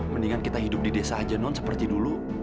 mendingan kita hidup di desa aja non seperti dulu